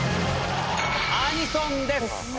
「アニソン」です。